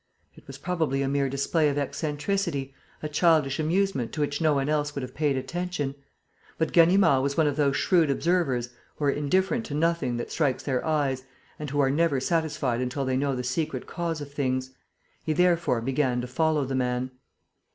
It was probably a mere display of eccentricity, a childish amusement to which no one else would have paid attention; but Ganimard was one of those shrewd observers who are indifferent to nothing that strikes their eyes and who are never satisfied until they know the secret cause of things. He therefore began to follow the man.